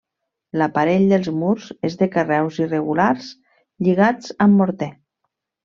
L'aparell dels murs és de carreus irregulars lligats amb morter.